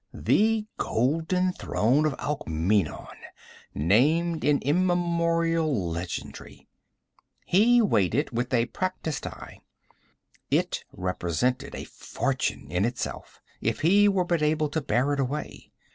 The golden throne of Alkmeenon, named in immemorial legendry! He weighed it with a practised eye. It represented a fortune in itself, if he were but able to bear it away.